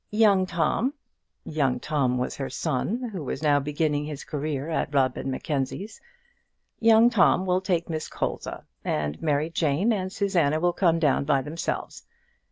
Young Tom," Young Tom was her son, who was now beginning his career at Rubb and Mackenzie's, "Young Tom will take Miss Colza, and Mary Jane and Susanna will come down by themselves.